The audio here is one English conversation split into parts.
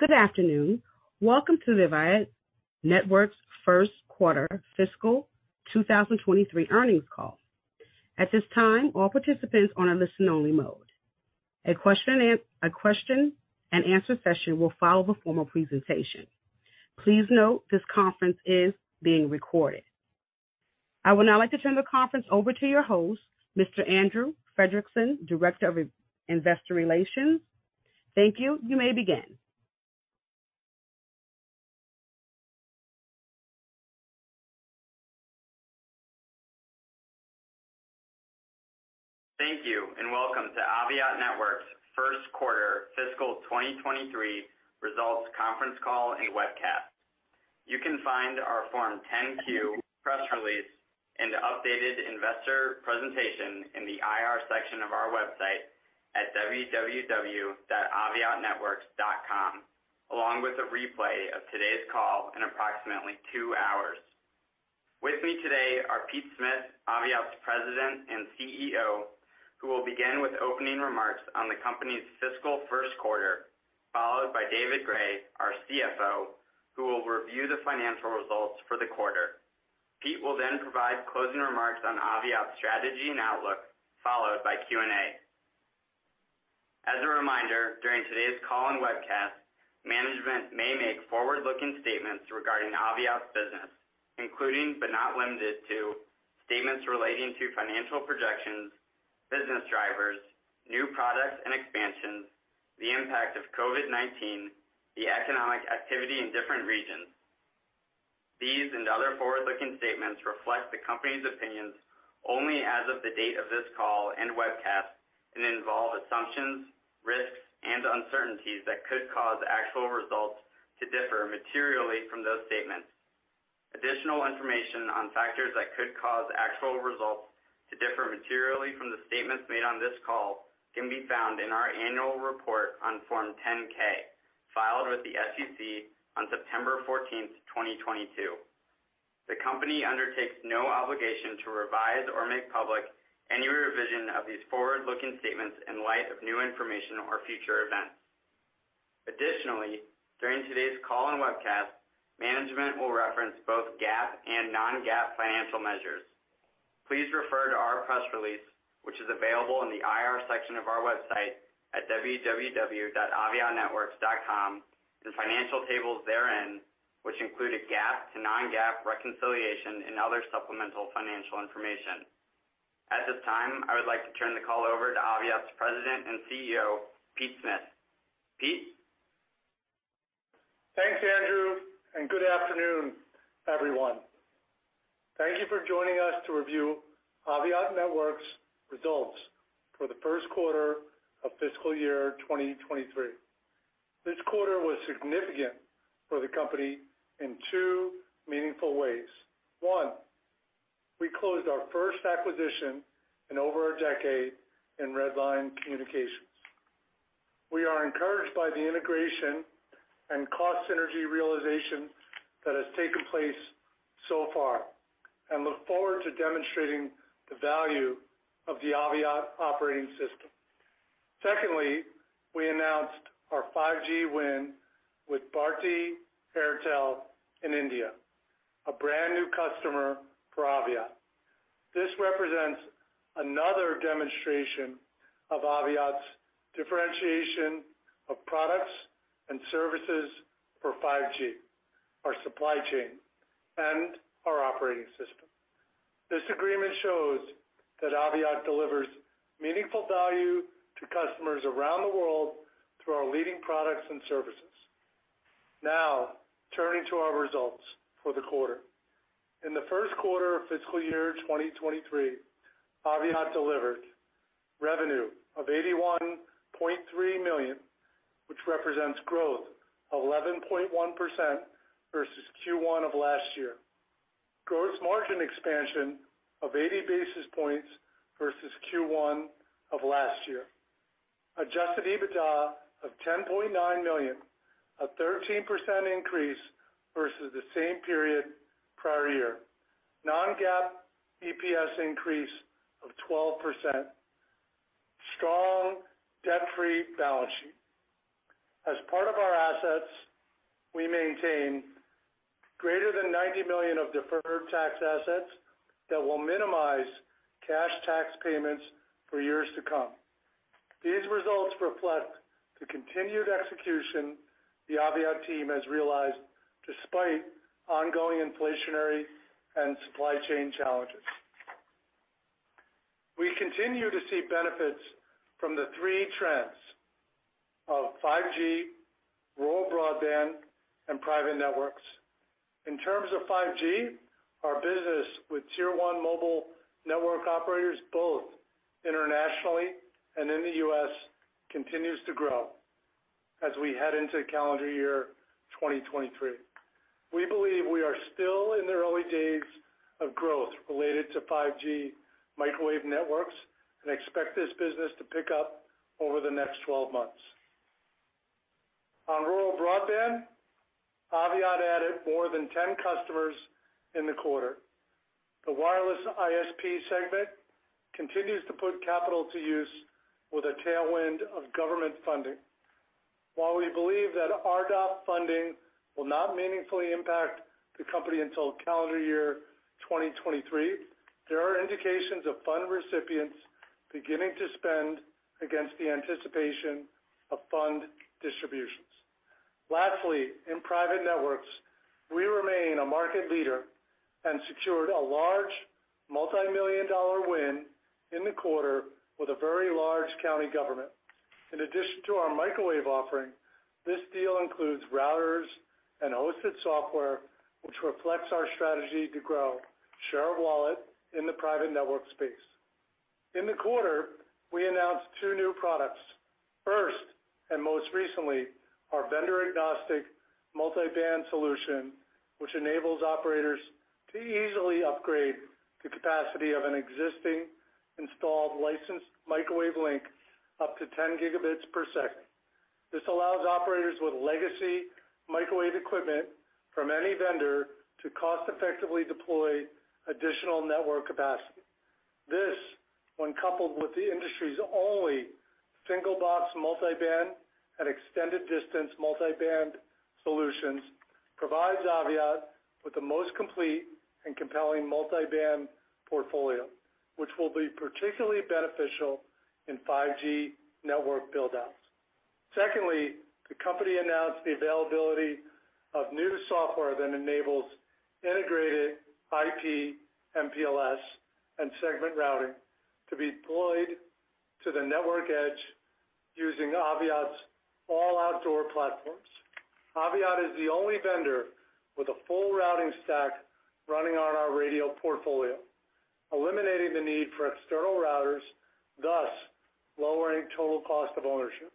Good afternoon. Welcome to the Aviat Networks first quarter fiscal 2023 earnings call. At this time, all participants are in listen only mode. A question and answer session will follow the formal presentation. Please note this conference is being recorded. I would now like to turn the conference over to your host, Mr. Andrew Fredrickson, Director of Investor Relations. Thank you. You may begin. Thank you, and welcome to Aviat Networks First Quarter Fiscal 2023 Results conference call and webcast. You can find our Form 10-Q press release and the updated investor presentation in the IR section of our website at www.aviatnetworks.com, along with a replay of today's call in approximately two hours. With me today are Pete Smith, Aviat's President and CEO, who will begin with opening remarks on the company's fiscal first quarter, followed by David Gray, our CFO, who will review the financial results for the quarter. Pete will then provide closing remarks on Aviat's strategy and outlook, followed by Q&A. As a reminder, during today's call and webcast, management may make forward-looking statements regarding Aviat's business, including, but not limited to, statements relating to financial projections, business drivers, new products and expansions, the impact of COVID-19, the economic activity in different regions. These and other forward-looking statements reflect the company's opinions only as of the date of this call and webcast, and involve assumptions, risks, and uncertainties that could cause actual results to differ materially from those statements. Additional information on factors that could cause actual results to differ materially from the statements made on this call can be found in our annual report on Form 10-K, filed with the SEC on September 14th, 2022. The company undertakes no obligation to revise or make public any revision of these forward-looking statements in light of new information or future events. Additionally, during today's call and webcast, management will reference both GAAP and non-GAAP financial measures. Please refer to our press release, which is available in the IR section of our website at www.aviatnetworks.com, and financial tables therein, which include a GAAP to non-GAAP reconciliation and other supplemental financial information. At this time, I would like to turn the call over to Aviat's President and CEO, Pete Smith. Pete? Thanks, Andrew, and good afternoon, everyone. Thank you for joining us to review Aviat Networks results for the first quarter of fiscal year 2023. This quarter was significant for the company in two meaningful ways. One, we closed our first acquisition in over a decade in Redline Communications. We are encouraged by the integration and cost synergy realization that has taken place so far and look forward to demonstrating the value of the Aviat Operating System. Secondly, we announced our 5G win with Bharti Airtel in India, a brand new customer for Aviat. This represents another demonstration of Aviat's differentiation of products and services for 5G, our supply chain, and our operating system. This agreement shows that Aviat delivers meaningful value to customers around the world through our leading products and services. Now, turning to our results for the quarter. In the first quarter of fiscal year 2023, Aviat delivered revenue of $81.3 million, which represents growth of 11.1% versus Q1 of last year. Gross margin expansion of 80 basis points versus Q1 of last year. Adjusted EBITDA of $10.9 million, a 13% increase versus the same period prior year. Non-GAAP EPS increase of 12%. Strong debt-free balance sheet. As part of our assets, we maintain greater than $90 million of deferred tax assets that will minimize cash tax payments for years to come. These results reflect the continued execution the Aviat team has realized despite ongoing inflationary and supply chain challenges. We continue to see benefits from the three trends of 5G, rural broadband, and private networks. In terms of 5G, our business with Tier 1 mobile network operators, both internationally and in the U.S., continues to grow as we head into calendar year 2023. We believe we are still in the early days of growth related to 5G microwave networks and expect this business to pick up over the next 12 months. On rural broadband, Aviat added more than 10 customers in the quarter. The wireless ISP segment continues to put capital to use with a tailwind of government funding. While we believe that RDOF funding will not meaningfully impact the company until calendar year 2023, there are indications of fund recipients beginning to spend against the anticipation of fund distributions. Lastly, in private networks, we remain a market leader and secured a large multi-million-dollar win in the quarter with a very large county government. In addition to our microwave offering, this deal includes routers and hosted software, which reflects our strategy to grow share of wallet in the private network space. In the quarter, we announced two new products. First, and most recently, our vendor-agnostic multiband solution, which enables operators to easily upgrade the capacity of an existing installed licensed microwave link up to 10 gigabits per second. This allows operators with legacy microwave equipment from any vendor to cost-effectively deploy additional network capacity. This, when coupled with the industry's only single-box multiband and extended distance multiband solutions, provides Aviat with the most complete and compelling multiband portfolio, which will be particularly beneficial in 5G network build-outs. Secondly, the company announced the availability of new software that enables integrated IP, MPLS, and Segment Routing to be deployed to the network edge using Aviat's all-outdoor platforms. Aviat is the only vendor with a full routing stack running on our radio portfolio, eliminating the need for external routers, thus lowering total cost of ownership.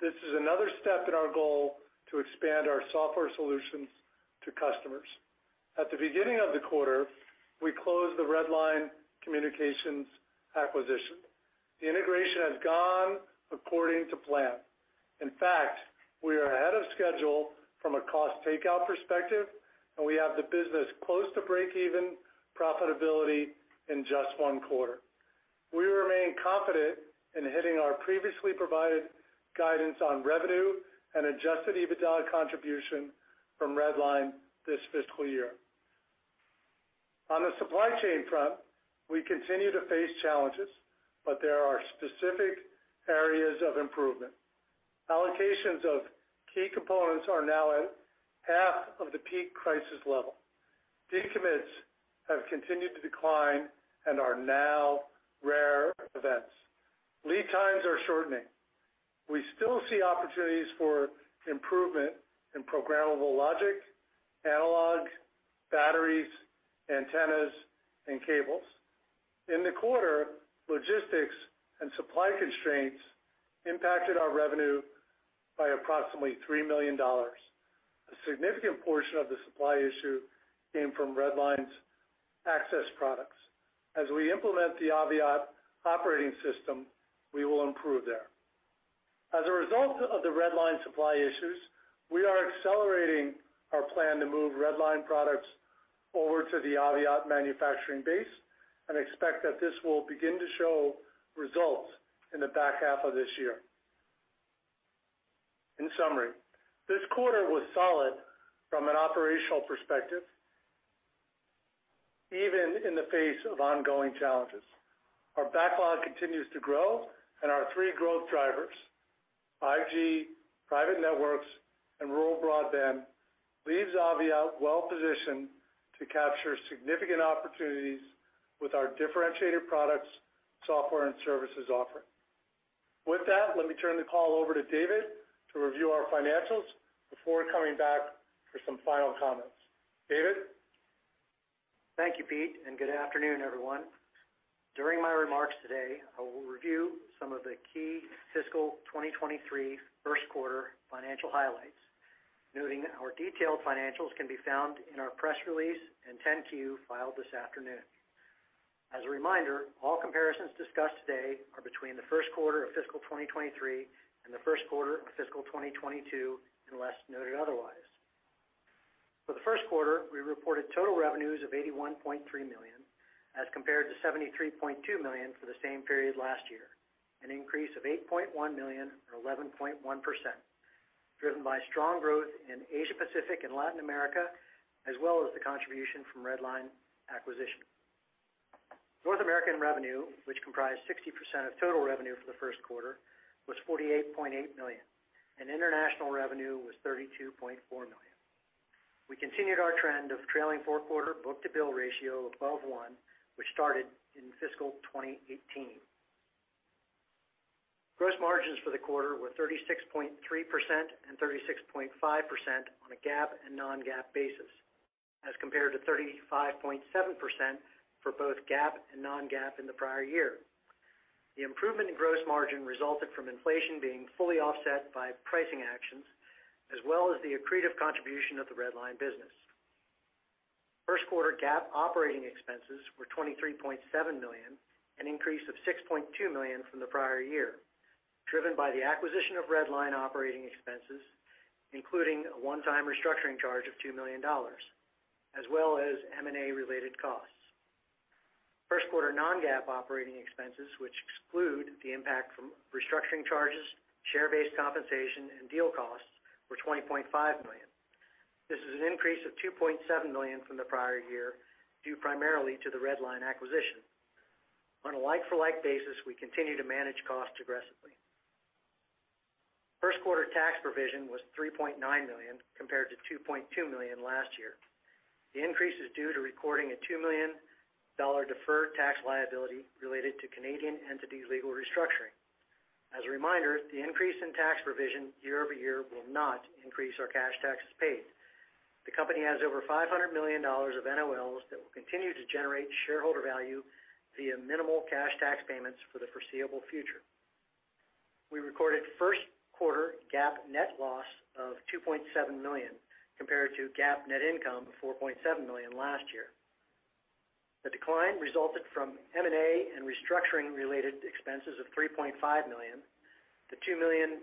This is another step in our goal to expand our software solutions to customers. At the beginning of the quarter, we closed the Redline Communications acquisition. The integration has gone according to plan. In fact, we are ahead of schedule from a cost takeout perspective, and we have the business close to breakeven profitability in just one quarter. We remain confident in hitting our previously provided guidance on revenue and adjusted EBITDA contribution from Redline this fiscal year. On the supply chain front, we continue to face challenges, but there are specific areas of improvement. Allocations of key components are now at half of the peak crisis level. Decommits have continued to decline and are now rare events. Lead times are shortening. We still see opportunities for improvement in programmable logic, analog, batteries, antennas, and cables. In the quarter, logistics and supply constraints impacted our revenue by approximately $3 million. A significant portion of the supply issue came from Redline's access products. As we implement the Aviat Operating System, we will improve there. As a result of the Redline supply issues, we are accelerating our plan to move Redline products over to the Aviat manufacturing base and expect that this will begin to show results in the back half of this year. In summary, this quarter was solid from an operational perspective, even in the face of ongoing challenges. Our backlog continues to grow and our three growth drivers, 5G, private networks, and rural broadband, leaves Aviat well-positioned to capture significant opportunities with our differentiated products, software, and services offering. With that, let me turn the call over to David to review our financials before coming back for some final comments. David? Thank you, Pete, and good afternoon, everyone. During my remarks today, I will review some of the key fiscal 2023 first quarter financial highlights, noting our detailed financials can be found in our press release and 10-Q filed this afternoon. As a reminder, all comparisons discussed today are between the first quarter of fiscal 2023 and the first quarter of fiscal 2022, unless noted otherwise. For the first quarter, we reported total revenues of $81.3 million, as compared to $73.2 million for the same period last year, an increase of $8.1 million or 11.1%, driven by strong growth in Asia Pacific and Latin America, as well as the contribution from Redline acquisition. North American revenue, which comprised 60% of total revenue for the first quarter, was $48.8 million, and international revenue was $32.4 million. We continued our trend of trailing four-quarter book-to-bill ratio above one, which started in fiscal 2018. Gross margins for the quarter were 36.3% and 36.5% on a GAAP and non-GAAP basis, as compared to 35.7% for both GAAP and non-GAAP in the prior year. The improvement in gross margin resulted from inflation being fully offset by pricing actions as well as the accretive contribution of the Redline business. First quarter GAAP operating expenses were $23.7 million, an increase of $6.2 million from the prior year. Driven by the acquisition of Redline, operating expenses, including a one-time restructuring charge of $2 million, as well as M&A related costs. First quarter non-GAAP operating expenses, which exclude the impact from restructuring charges, share-based compensation, and deal costs, were $20.5 million. This is an increase of $2.7 million from the prior year, due primarily to the Redline acquisition. On a like-for-like basis, we continue to manage costs aggressively. First quarter tax provision was $3.9 million compared to $2.2 million last year. The increase is due to recording a $2 million deferred tax liability related to Canadian entity legal restructuring. As a reminder, the increase in tax provision year-over-year will not increase our cash taxes paid. The company has over $500 million of NOLs that will continue to generate shareholder value via minimal cash tax payments for the foreseeable future. We recorded first quarter GAAP net loss of $2.7 million, compared to GAAP net income of $4.7 million last year. The decline resulted from M&A and restructuring related expenses of $3.5 million, the $2 million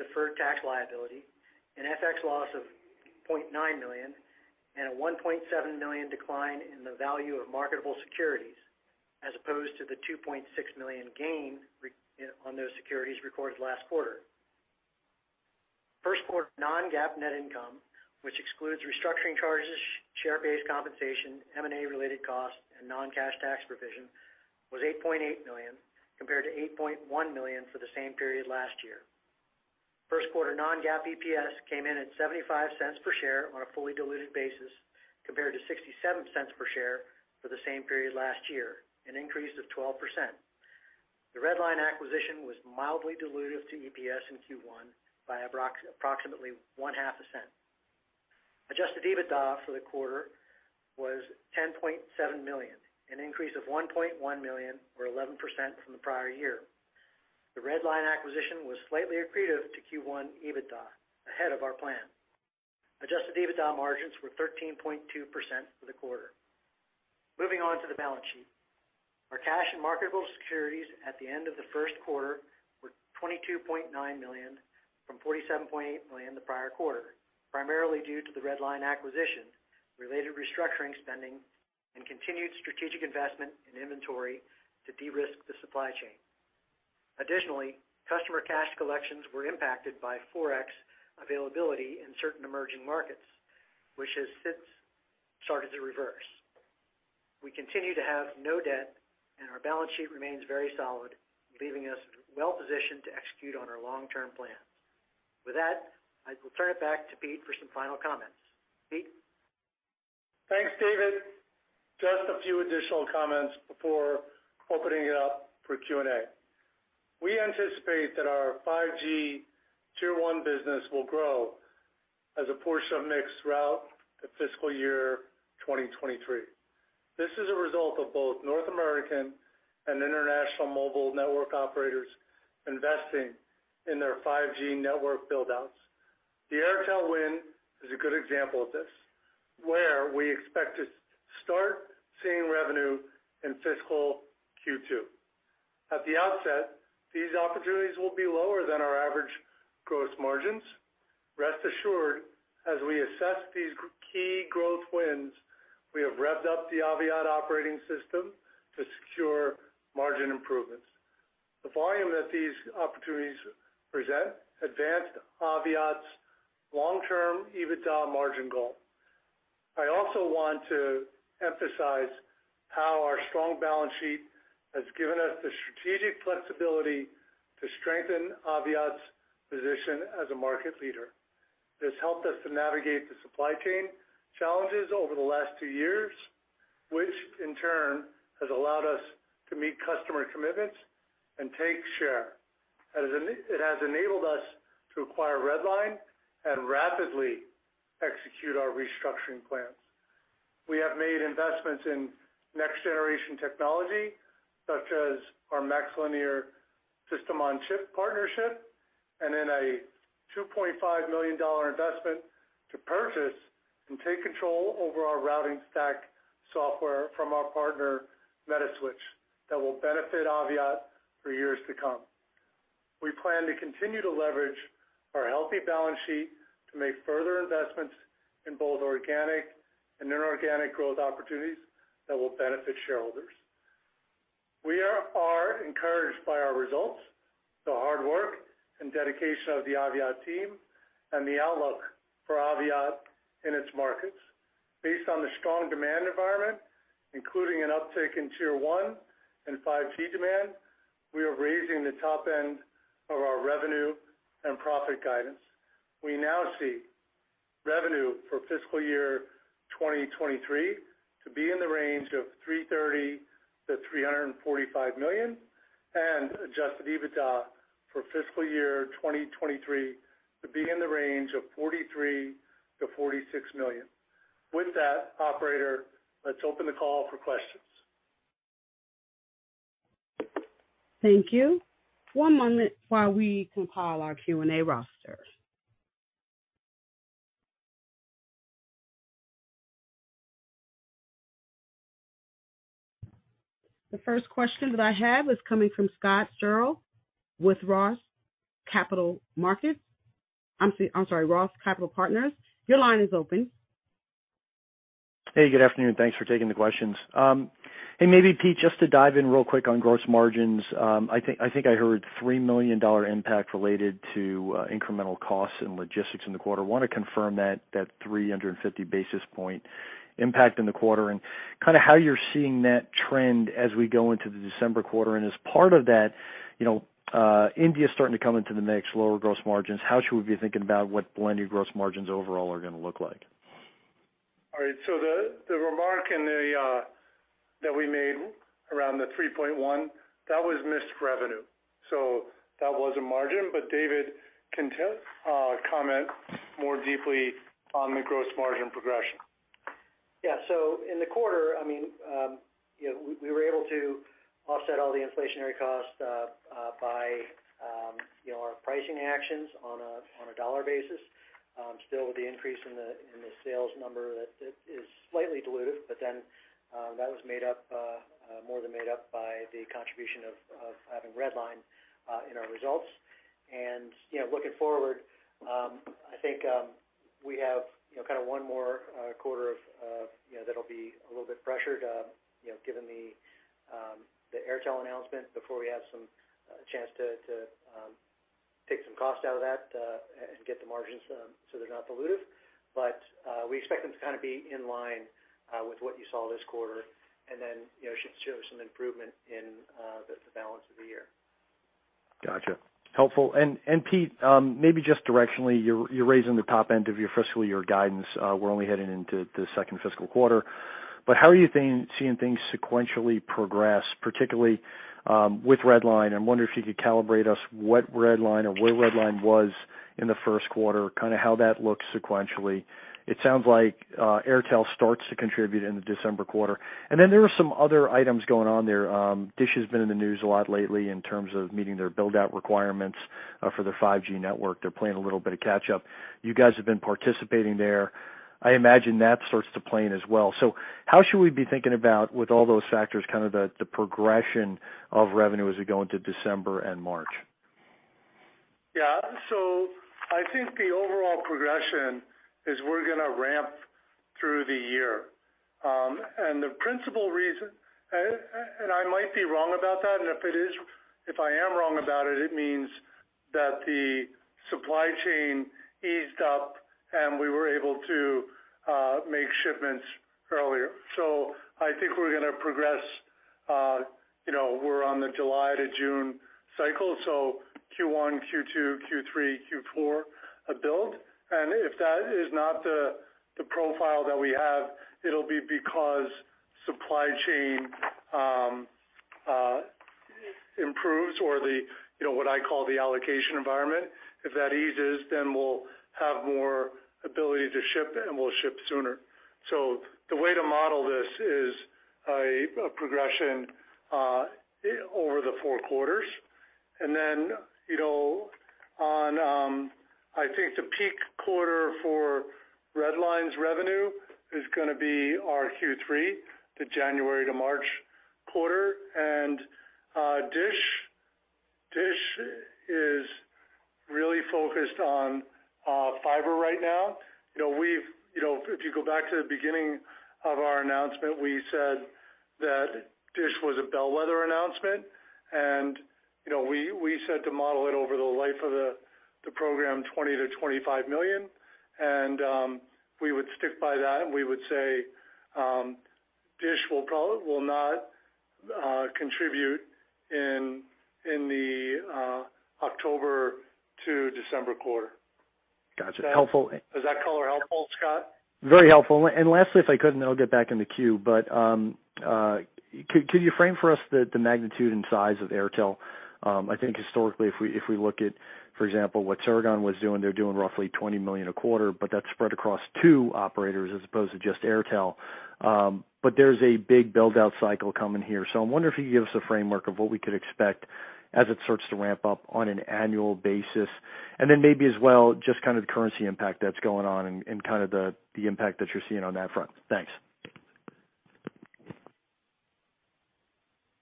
deferred tax liability, an FX loss of $0.9 million, and a $1.7 million decline in the value of marketable securities, as opposed to the $2.6 million gain on those securities recorded last quarter. First quarter non-GAAP net income, which excludes restructuring charges, share-based compensation, M&A related costs, and non-cash tax provision, was $8.8 million, compared to $8.1 million for the same period last year. First quarter non-GAAP EPS came in at $0.75 per share on a fully diluted basis, compared to $0.67 per share for the same period last year, an increase of 12%. The Redline acquisition was mildly dilutive to EPS in Q1 by approximately 0.5%. Adjusted EBITDA for the quarter was $10.7 million, an increase of $1.1 million or 11% from the prior year. The Redline acquisition was slightly accretive to Q1 EBITDA, ahead of our plan. Adjusted EBITDA margins were 13.2% for the quarter. Moving on to the balance sheet. Our cash and marketable securities at the end of the first quarter were $22.9 million, from $47.8 million the prior quarter, primarily due to the Redline acquisition, related restructuring spending, and continued strategic investment in inventory to de-risk the supply chain. Additionally, customer cash collections were impacted by Forex availability in certain emerging markets, which has since started to reverse. We continue to have no debt, and our balance sheet remains very solid, leaving us well-positioned to execute on our long-term plans. With that, I will turn it back to Pete for some final comments. Pete? Thanks, David. Just a few additional comments before opening it up for Q&A. We anticipate that our 5G Tier 1 business will grow as a portion of mix throughout the fiscal year 2023. This is a result of both North American and international mobile network operators investing in their 5G network build-outs. The Airtel win is a good example of this, where we expect to start seeing revenue in fiscal Q2. At the outset, these opportunities will be lower than our average gross margins. Rest assured, as we assess these key growth wins, we have revved up the Aviat Operating System to secure margin improvements. The volume that these opportunities present advanced Aviat's long-term EBITDA margin goal. I also want to emphasize how our strong balance sheet has given us the strategic flexibility to strengthen Aviat's position as a market leader. This helped us to navigate the supply chain challenges over the last two years, which in turn has allowed us to meet customer commitments and take share. It has enabled us to acquire Redline and rapidly execute our restructuring plans. We have made investments in next-generation technology, such as our MaxLinear system-on-chip partnership and in a $2.5 million investment to purchase and take control over our routing stack software from our partner Metaswitch that will benefit Aviat for years to come. We plan to continue to leverage our healthy balance sheet to make further investments in both organic and inorganic growth opportunities that will benefit shareholders. We are encouraged by our results, the hard work and dedication of the Aviat team and the outlook for Aviat in its markets. Based on the strong demand environment, including an uptick in Tier 1 and 5G demand, we are raising the top end of our revenue and profit guidance. We now see revenue for fiscal year 2023 to be in the range of $330 million-$345 million and adjusted EBITDA for fiscal year 2023 to be in the range of $43 million-$46 million. With that, operator, let's open the call for questions. Thank you. One moment while we compile our Q&A roster. The first question that I have is coming from Scott Searle with Roth Capital Partners. I'm sorry, Roth Capital Partners. Your line is open. Hey, good afternoon. Thanks for taking the questions. Hey, maybe Pete, just to dive in real quick on gross margins. I think I heard $3 million impact related to incremental costs and logistics in the quarter. Wanna confirm that 350 basis point impact in the quarter, and kinda how you're seeing that trend as we go into the December quarter. As part of that, you know, India is starting to come into the mix, lower gross margins. How should we be thinking about what blended gross margins overall are gonna look like? All right. The remark that we made around the $3.1 was missed revenue, so that wasn't margin. David can comment more deeply on the gross margin progression. Yeah. In the quarter, I mean, you know, we were able to offset all the inflationary costs by you know our pricing actions on a dollar basis. Still with the increase in the sales number that is slightly dilutive, but then that was more than made up by the contribution of having Redline in our results. You know looking forward I think we have you know kinda one more quarter of that'll be a little bit pressured you know given the Airtel announcement before we have some chance to take some cost out of that and get the margins so they're not dilutive. We expect them to kinda be in line with what you saw this quarter and then, you know, show some improvement in the balance of the year. Gotcha. Helpful. Pete, maybe just directionally, you're raising the top end of your fiscal year guidance. We're only heading into the second fiscal quarter. How are you seeing things sequentially progress, particularly, with Redline? I'm wondering if you could calibrate us what Redline or where Redline was in the first quarter, kinda how that looks sequentially. It sounds like, Airtel starts to contribute in the December quarter. Then there are some other items going on there. Dish has been in the news a lot lately in terms of meeting their build-out requirements, for their 5G network. They're playing a little bit of catch up. You guys have been participating there. I imagine that starts to play in as well. How should we be thinking about with all those factors, kinda the progression of revenue as we go into December and March? Yeah. I think the overall progression is we're gonna ramp through the year. The principal reason, and I might be wrong about that, and if I am wrong about it means that the supply chain eased up, and we were able to make shipments earlier. I think we're gonna progress, you know, we're on the July to June cycle, so Q1, Q2, Q3, Q4 build. If that is not the profile that we have, it'll be because supply chain improves or the, you know, what I call the allocation environment. If that eases, then we'll have more ability to ship, and we'll ship sooner. The way to model this is a progression over the four quarters. You know, on, I think the peak quarter for Redline's revenue is gonna be our Q3, the January to March quarter. Dish is really focused on fiber right now. You know, we've, you know, if you go back to the beginning of our announcement, we said that Dish was a bellwether announcement. You know, we said to model it over the life of the program $20 million-$25 million. We would stick by that, and we would say, Dish will not contribute in the October to December quarter. Gotcha. Helpful. Is that color helpful, Scott? Very helpful. Lastly, if I could, and I'll get back in the queue. Could you frame for us the magnitude and size of Airtel? I think historically, if we look at, for example, what Ceragon was doing, they're doing roughly $20 million a quarter, but that's spread across two operators as opposed to just Airtel. There's a big build-out cycle coming here. I'm wondering if you could give us a framework of what we could expect as it starts to ramp up on an annual basis. Then maybe as well, just kind of the currency impact that's going on and kind of the impact that you're seeing on that front. Thanks.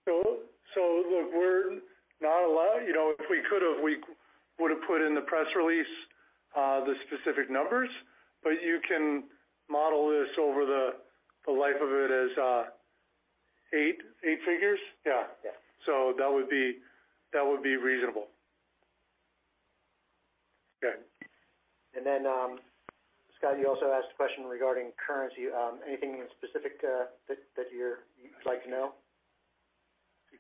Look, we're not allowed, you know, if we could have, we would have put in the press release the specific numbers. You can model this over the life of it as eight figures. Yeah. Yeah. That would be reasonable. Okay. Scott, you also asked a question regarding currency. Anything specific that you'd like to know?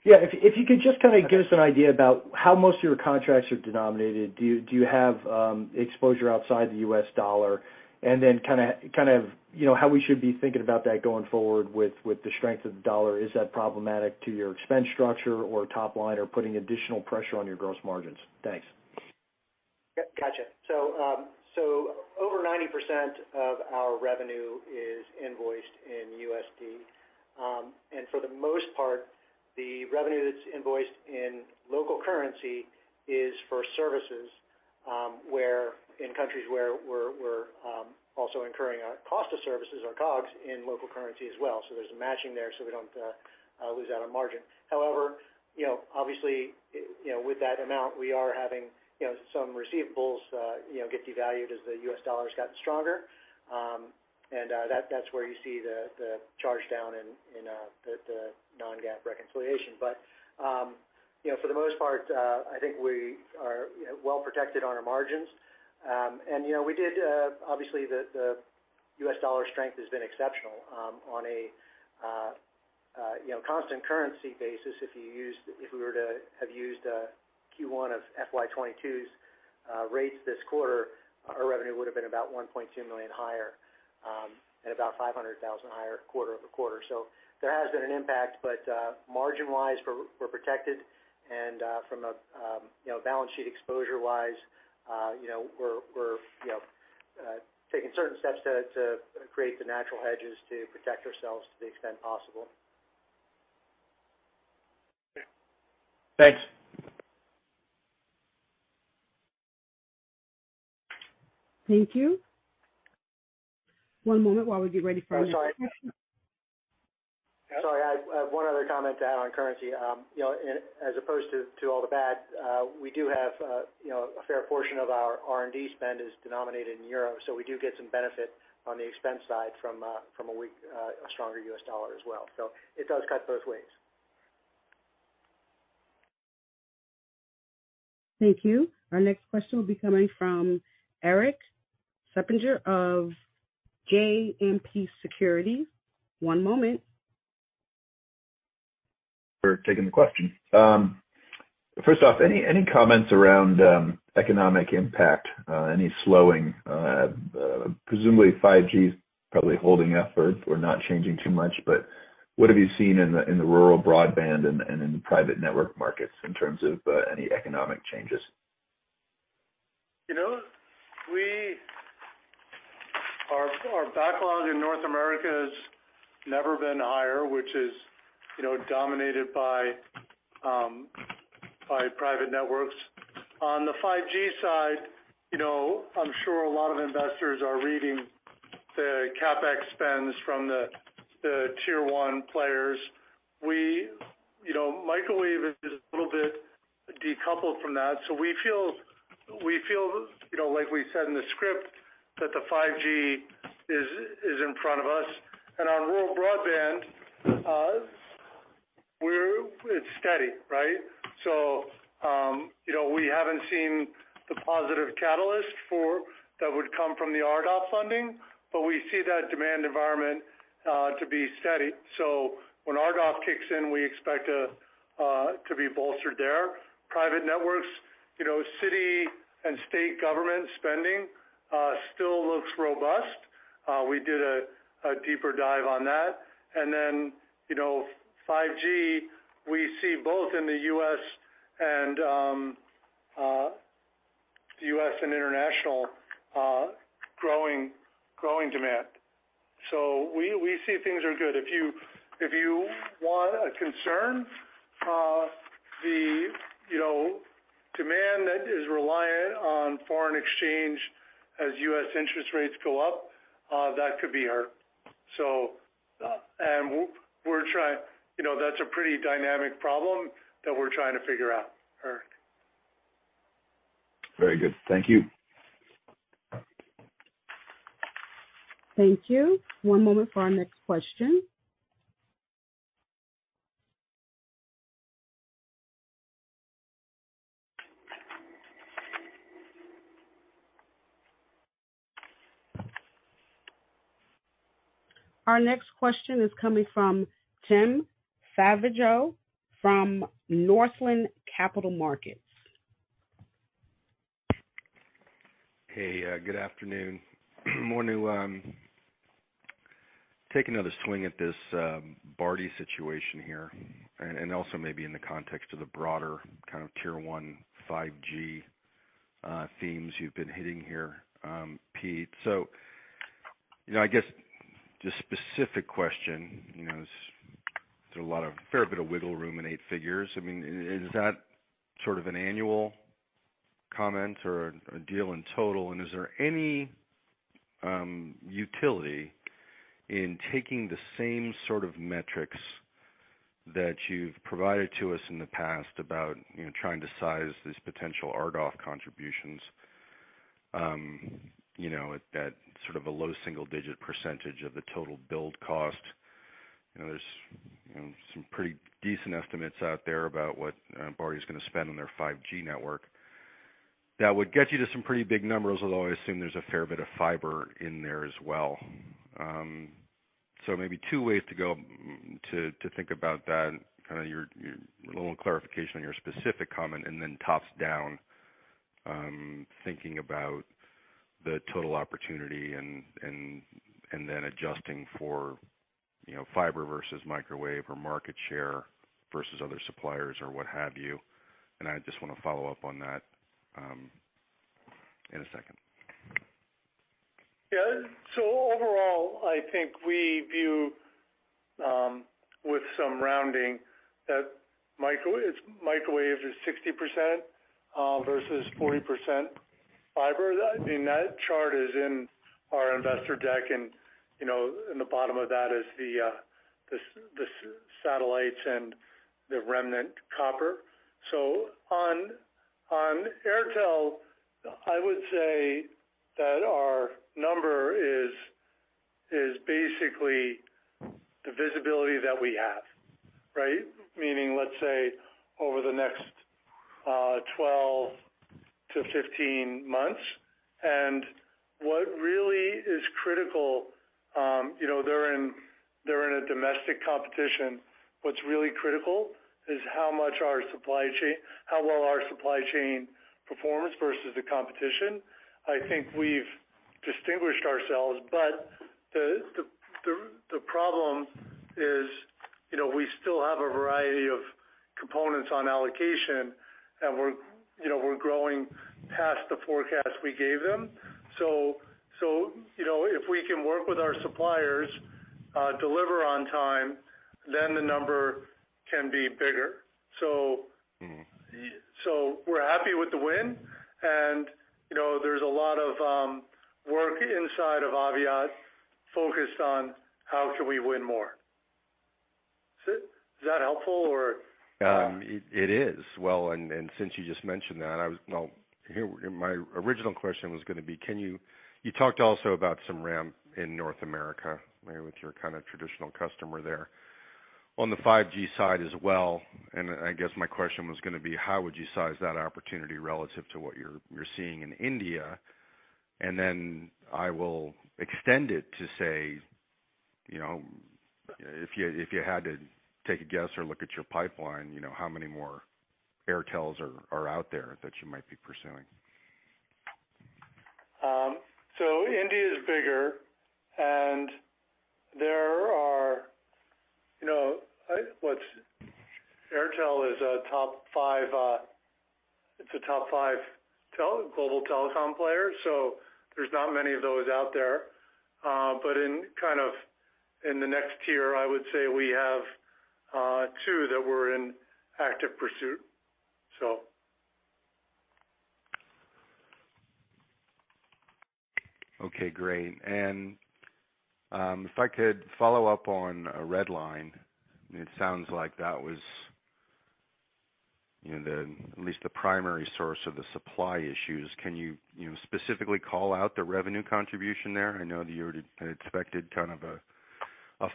Yeah. If you could just kinda give us an idea about how most of your contracts are denominated. Do you have exposure outside the U.S. dollar? And then kind of, you know, how we should be thinking about that going forward with the strength of the dollar. Is that problematic to your expense structure or top line or putting additional pressure on your gross margins? Thanks. Yep, gotcha. Over 90% of our revenue is invoiced in USD. For the most part, the revenue that's invoiced in local currency is for services in countries where we're also incurring our cost of services, our COGS, in local currency as well. There's a matching there, so we don't lose out on margin. However, you know, obviously, you know, with that amount, we are having you know some receivables you know get devalued as the U.S. dollar's gotten stronger. That's where you see the charge down in the non-GAAP reconciliation. For the most part, I think we are you know well protected on our margins. You know, we did obviously the U.S. dollar strength has been exceptional, you know, on a constant currency basis. If we were to have used Q1 of FY22's rates this quarter, our revenue would've been about $1.2 million higher, and about $500,000 higher quarter-over-quarter. There has been an impact, but margin-wise, we're protected. From a, you know, balance-sheet exposure-wise, you know, we're taking certain steps to create the natural hedges to protect ourselves to the extent possible. Thanks. Thank you. One moment while we get ready for our next question. I'm sorry. Yeah. Sorry, I have one other comment to add on currency. You know, as opposed to all the bad, you know, a fair portion of our R&D spend is denominated in euro, so we do get some benefit on the expense side from a stronger U.S. dollar as well. It does cut both ways. Thank you. Our next question will be coming from Erik Suppiger of JMP Securities. One moment. -for taking the question. First off, any comments around economic impact, any slowing, presumably 5G is probably holding up or not changing too much. What have you seen in the rural broadband and in the private network markets in terms of any economic changes? You know, our backlog in North America has never been higher, which is, you know, dominated by private networks. On the 5G side, you know, I'm sure a lot of investors are reading the CapEx spends from the Tier 1 players. You know, microwave is a little bit decoupled from that, so we feel, you know, like we said in the script, that the 5G is in front of us. On rural broadband, it's steady, right? You know, we haven't seen the positive catalyst that would come from the RDOF funding, but we see that demand environment to be steady. So when RDOF kicks in, we expect to be bolstered there. Private networks, you know, city and state government spending still looks robust. We did a deeper dive on that. You know, 5G, we see both in the U.S. and international growing demand. We see things are good. If you want a concern, you know, the demand that is reliant on foreign exchange as U.S. interest rates go up, that could be hard. You know, that's a pretty dynamic problem that we're trying to figure out, Erik. Very good. Thank you. Thank you. One moment for our next question. Our next question is coming from Tim Savageaux from Northland Capital Markets. Hey, good afternoon. Want to take another swing at this Bharti situation here and also maybe in the context of the broader kind of Tier 1 5G themes you've been hitting here, Pete. You know, I guess the specific question is fair bit of wiggle room in eight figures. I mean, is that sort of an annual comment or a deal in total? And is there any utility in taking the same sort of metrics that you've provided to us in the past about, you know, trying to size these potential RDOF contributions, you know, at sort of a low single-digit percentage of the total build cost? You know, there's some pretty decent estimates out there about what Bharti is gonna spend on their 5G network. That would get you to some pretty big numbers, although I assume there's a fair bit of fiber in there as well. So maybe two ways to go to think about that, kinda your a little clarification on your specific comment, and then top down thinking about the total opportunity and then adjusting for, you know, fiber versus microwave or market share versus other suppliers or what have you. I just wanna follow up on that, in a second. Yeah. Overall, I think we view, with some rounding that microwave is 60% versus 40% fiber. I mean, that chart is in our investor deck, and, you know, in the bottom of that is the satellites and the remnant copper. On Airtel, I would say that our number is basically the visibility that we have, right? Meaning, let's say, over the next 12-15 months. What really is critical, you know, they're in a domestic competition. What's really critical is how well our supply chain performs versus the competition. I think we've distinguished ourselves, but the problem is, you know, we still have a variety of components on allocation, and we're growing past the forecast we gave them. You know, if we can work with our suppliers, deliver on time, then the number can be bigger. Mm-hmm. We're happy with the win, and you know, there's a lot of work inside of Aviat focused on how can we win more. Is that helpful or? It is. Well, and since you just mentioned that, my original question was gonna be, you talked also about some ramp in North America, maybe with your kind of traditional customer there. On the 5G side as well, and I guess my question was gonna be, how would you size that opportunity relative to what you're seeing in India? Then I will extend it to say, you know, if you had to take a guess or look at your pipeline, you know, how many more Airtels are out there that you might be pursuing? India is bigger, and there are, you know, Airtel is a top five, it's a top five global telecom player, so there's not many of those out there. In kind of in the next tier, I would say we have two that we're in active pursuit, so. Okay, great. If I could follow up on Redline, it sounds like that was, you know, at least the primary source of the supply issues. Can you know, specifically call out the revenue contribution there? I know that you had expected kind of a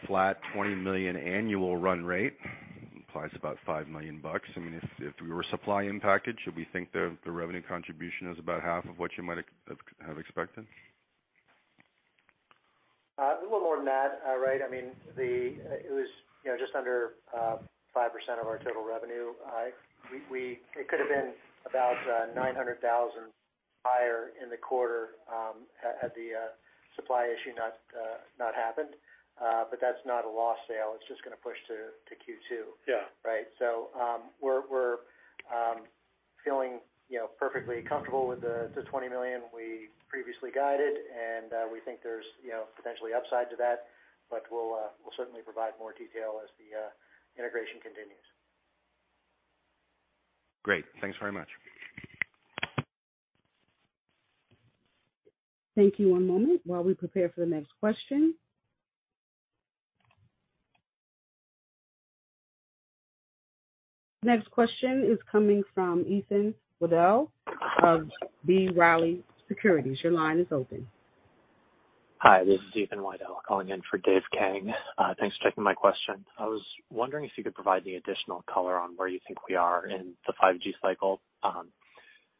flat $20 million annual run rate. Implies about $5 million. I mean, if we were supply impacted, should we think the revenue contribution is about half of what you might have expected? A little more than that, right. I mean, it was, you know, just under 5% of our total revenue. It could have been about $900,000 higher in the quarter, had the supply issue not happened. That's not a lost sale. It's just gonna push to Q2. Yeah. Right. We're feeling, you know, perfectly comfortable with the $20 million we previously guided, and we think there's, you know, potentially upside to that, but we'll certainly provide more detail as the integration continues. Great. Thanks very much. Thank you. One moment while we prepare for the next question. Next question is coming from Ethan Widell of B. Riley Securities. Your line is open. Hi, this is Ethan Widell calling in for Dave Kang. Thanks for taking my question. I was wondering if you could provide any additional color on where you think we are in the 5G cycle.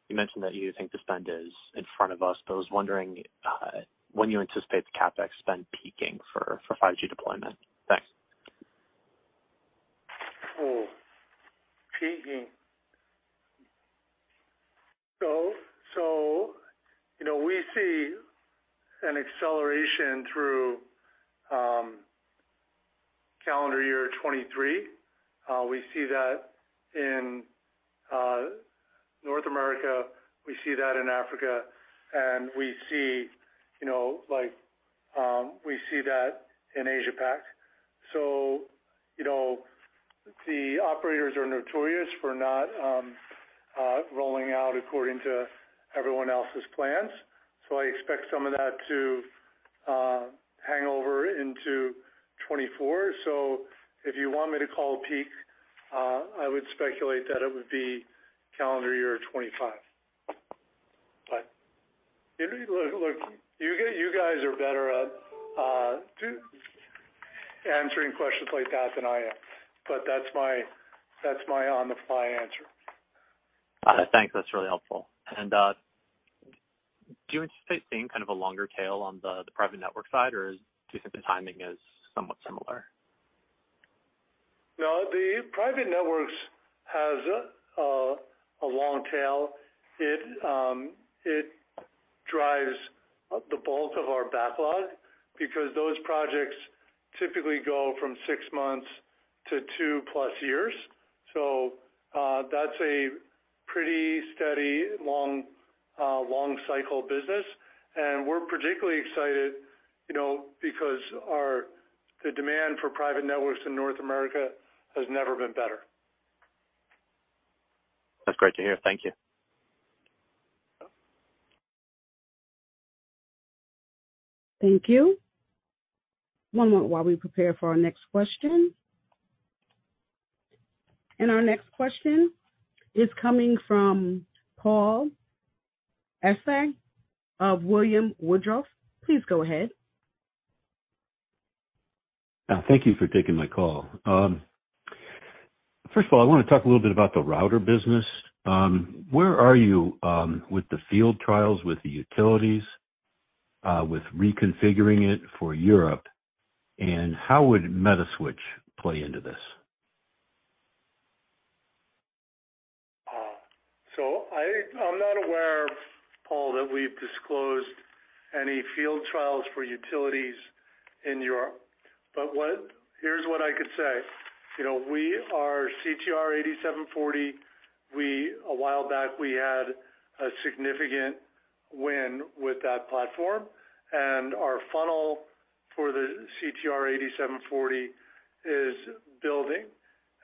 You mentioned that you think the spend is in front of us, but I was wondering when you anticipate the CapEx spend peaking for 5G deployment. Thanks. Oh, peaking. You know, we see an acceleration through calendar year 2023. We see that in North America, we see that in Africa, and we see, you know, like, we see that in Asia Pac. You know, the operators are notorious for not rolling out according to everyone else's plans. I expect some of that to hang over into 2024. If you want me to call a peak, I would speculate that it would be calendar year 2025. You know, look, you guys are better at answering questions like that than I am, but that's my on-the-fly answer. Thanks. That's really helpful. Do you anticipate seeing kind of a longer tail on the private network side, or do you think the timing is somewhat similar? No, the private networks has a long tail. It drives the bulk of our backlog because those projects typically go from six months to 2+ years. That's a pretty steady, long cycle business. We're particularly excited, you know, because the demand for private networks in North America has never been better. That's great to hear. Thank you. Thank you. One moment while we prepare for our next question. Our next question is coming from Paul Essi of William Woodruff. Please go ahead. Thank you for taking my call. First of all, I wanna talk a little bit about the router business. Where are you with the field trials, with the utilities, with reconfiguring it for Europe? How would Metaswitch play into this? I'm not aware, Paul, that we've disclosed any field trials for utilities in Europe. Here's what I could say. You know, we are CTR-8740. We, a while back, we had a significant win with that platform, and our funnel for the CTR-8740 is building,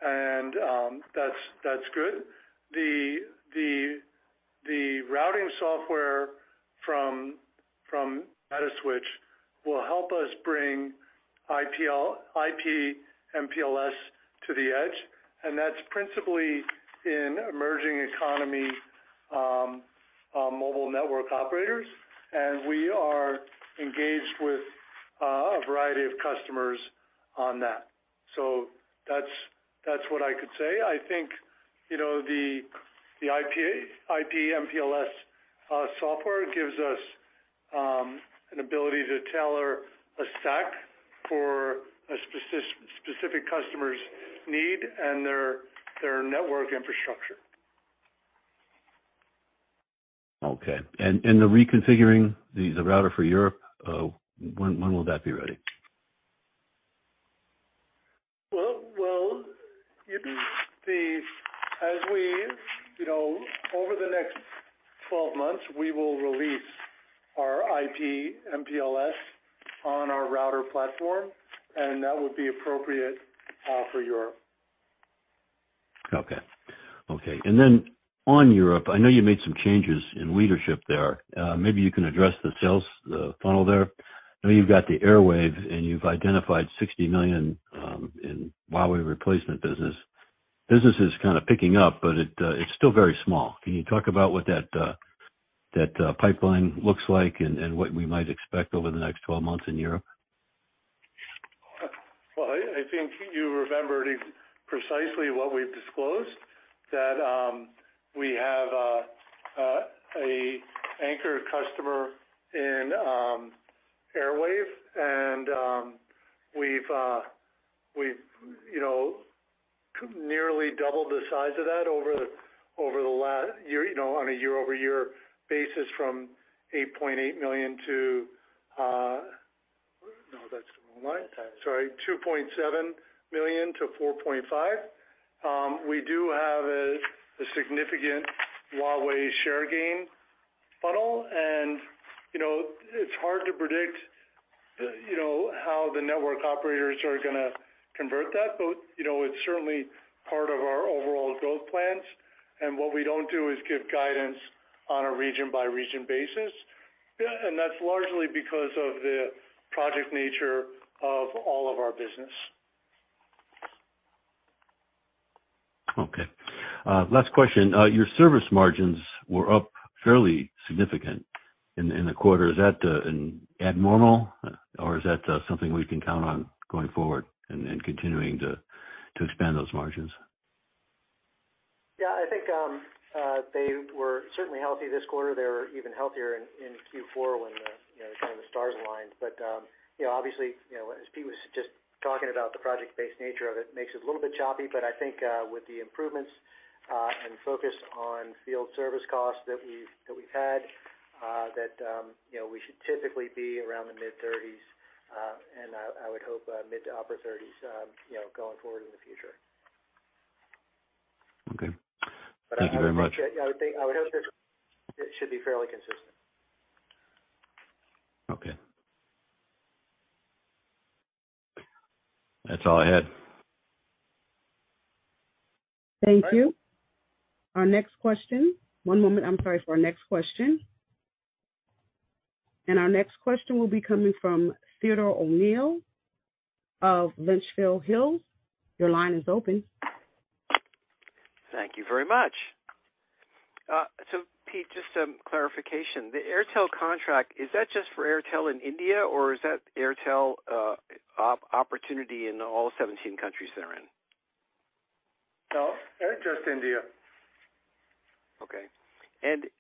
and that's good. The routing software from Metaswitch will help us bring IP/MPLS to the edge, and that's principally in emerging economy mobile network operators. We are engaged with a variety of customers on that. That's what I could say. I think, you know, the IP/MPLS software gives us an ability to tailor a stack for a specific customer's need and their network infrastructure. Okay. The reconfiguring the router for Europe, when will that be ready? Well, as we, you know, over the next 12 months, we will release our IP/MPLS on our router platform, and that would be appropriate for Europe. Okay. Okay. On Europe, I know you made some changes in leadership there. Maybe you can address the sales, the funnel there. I know you've got the Airwave, and you've identified $60 million in Huawei replacement business. Business is kinda picking up, but it's still very small. Can you talk about what that pipeline looks like and what we might expect over the next 12 months in Europe? Well, I think you remembered precisely what we've disclosed, that we have a anchor customer in Airwave. We've you know, nearly doubled the size of that over the last year, you know, on a year-over-year basis from $8.8 million to... No, that's the wrong one. Sorry, $2.7 million to $4.5 million. We do have a significant Huawei share gain funnel. You know, it's hard to predict, you know, how the network operators are gonna convert that. You know, it's certainly part of our overall growth plans. What we don't do is give guidance on a region-by-region basis. That's largely because of the project nature of all of our business. Okay. Last question. Your service margins were up fairly significant in the quarter. Is that an abnormal, or is that something we can count on going forward and continuing to expand those margins? Yeah, I think they were certainly healthy this quarter. They were even healthier in Q4 when, you know, kind of the stars aligned. You know, obviously, you know, as Pete was just talking about the project-based nature of it makes it a little bit choppy. I think with the improvements and focus on field service costs that we've had, you know, we should typically be around the mid-thirties, and I would hope mid to upper thirties, you know, going forward in the future. Okay. Thank you very much. I would think that I would hope that it should be fairly consistent. Okay. That's all I had. Thank you. Our next question. One moment, I'm sorry, for our next question. Our next question will be coming from Theodore O'Neill of Litchfield Hills. Your line is open. Thank you very much. Pete, just some clarification. The Airtel contract, is that just for Airtel in India, or is that Airtel opportunity in all 17 countries they're in? No, just India. Okay.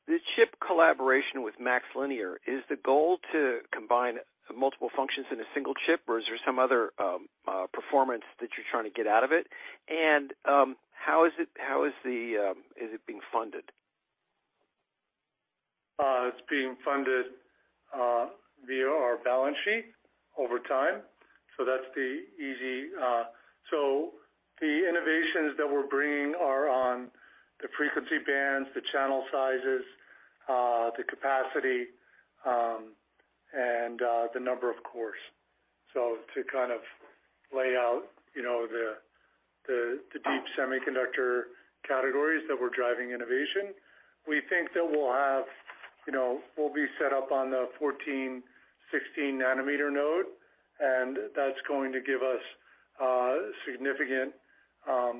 The chip collaboration with MaxLinear, is the goal to combine multiple functions in a single chip, or is there some other performance that you're trying to get out of it? How is it being funded? It's being funded via our balance sheet over time. The innovations that we're bringing are on the frequency bands, the channel sizes, the capacity, and the number of cores. To kind of lay out, you know, the deep semiconductor categories that we're driving innovation, we think that we'll have, you know, we'll be set up on the 14, 16 nm node, and that's going to give us significant power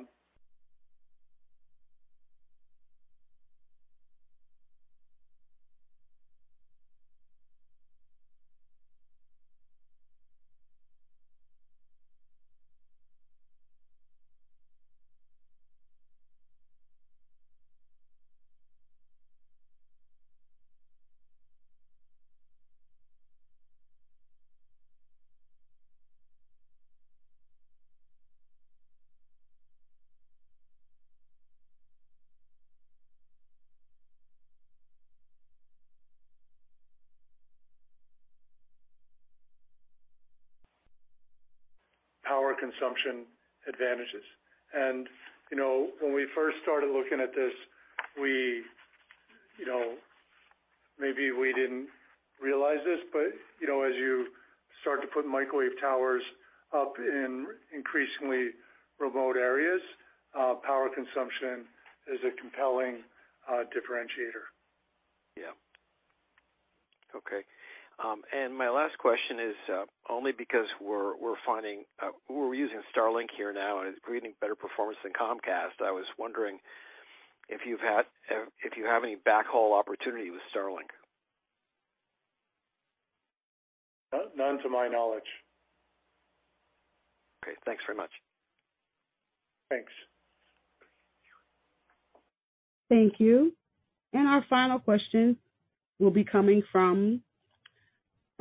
consumption advantages. You know, when we first started looking at this, we, you know, maybe we didn't realize this, but you know, as you start to put microwave towers up in increasingly remote areas, power consumption is a compelling differentiator. Yeah. Okay. My last question is only because we're finding we're using Starlink here now, and it's providing better performance than Comcast. I was wondering if you have any backhaul opportunity with Starlink. None to my knowledge. Okay. Thanks very much. Thanks. Thank you.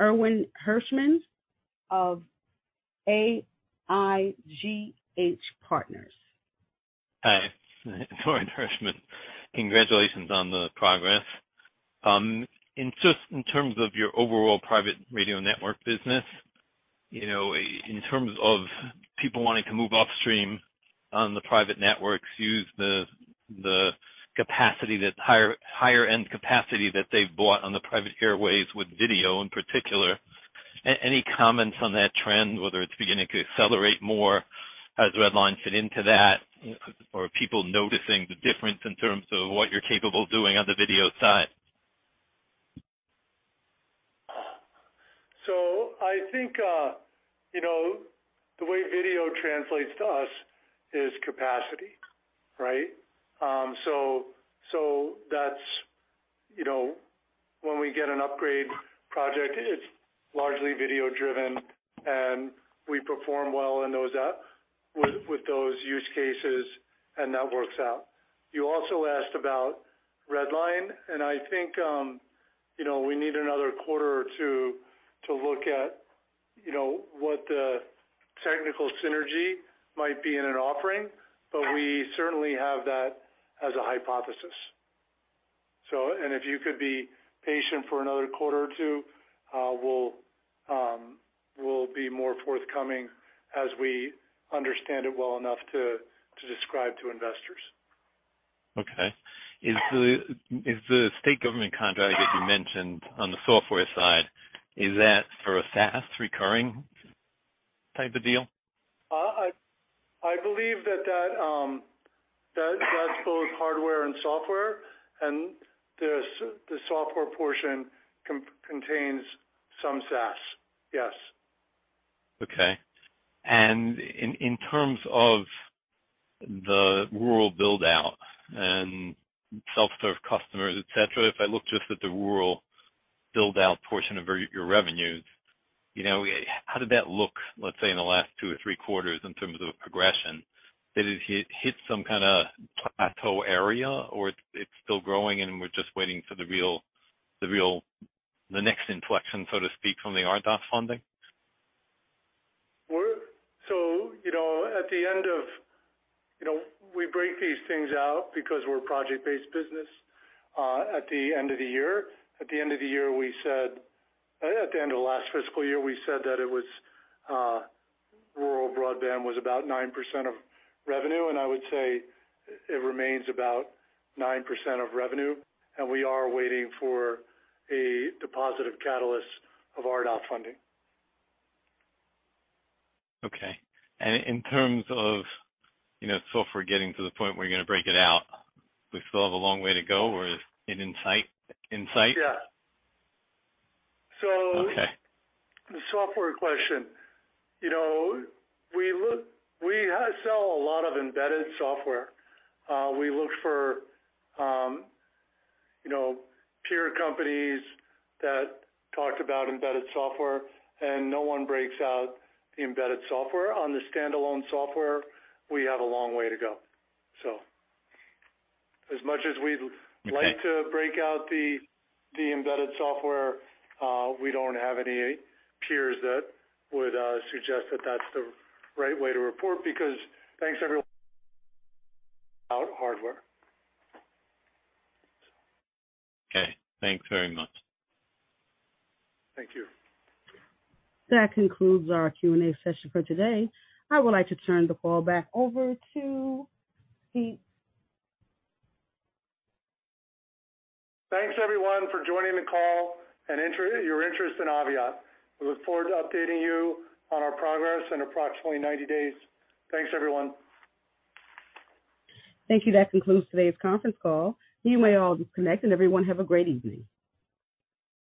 Our final question will be coming from Orin Hirschman of AIGH Partners. Hi, Orin Hirschman. Congratulations on the progress. In terms of your overall private radio network business, you know, in terms of people wanting to move upstream on the private networks, use the capacity that higher end capacity that they've bought on the private airwaves with video in particular, any comments on that trend, whether it's beginning to accelerate more, how does Redline fit into that? Or are people noticing the difference in terms of what you're capable of doing on the video side? I think, you know, the way video translates to us is capacity, right? That's, you know, when we get an upgrade project, it's largely video-driven, and we perform well in those, with those use cases, and that works out. You also asked about Redline, and I think, you know, we need another quarter or two to look at, you know, what the technical synergy might be in an offering. But we certainly have that as a hypothesis. If you could be patient for another quarter or two, we'll be more forthcoming as we understand it well enough to describe to investors. Okay. Is the state government contract that you mentioned on the software side, is that for a SaaS recurring type of deal? I believe that that's both hardware and software, and the software portion contains some SaaS. Yes. Okay. In terms of the rural build-out and self-serve customers, et cetera, if I look just at the rural build-out portion of your revenues, you know, how did that look, let's say, in the last two or three quarters in terms of progression? Did it hit some kinda plateau area, or it's still growing and we're just waiting for the real, the next inflection, so to speak, from the RDOF funding? You know, we break these things out because we're a project-based business at the end of the year. At the end of last fiscal year, we said that rural broadband was about 9% of revenue, and I would say it remains about 9% of revenue, and we are waiting for a positive catalyst of RDOF funding. Okay. In terms of, you know, software getting to the point where you're gonna break it out, do we still have a long way to go or is it in sight? Yeah. Okay. The software question. You know, we sell a lot of embedded software. We look for, you know, peer companies that talked about embedded software, and no one breaks out the embedded software. On the standalone software, we have a long way to go. As much as we'd like to break out the embedded software, we don't have any peers that would suggest that that's the right way to report because out of hardware. Okay, thanks very much. Thank you. That concludes our Q&A session for today. I would like to turn the call back over to Pete Smith. Thanks, everyone, for joining the call and your interest in Aviat. We look forward to updating you on our progress in approximately 90 days. Thanks, everyone. Thank you. That concludes today's conference call. You may all disconnect, and everyone, have a great evening.